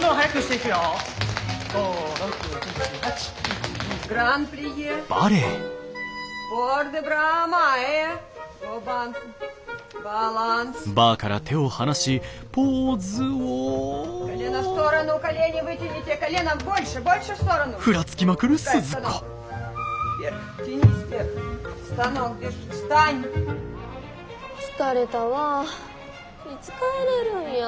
いつ帰れるんや。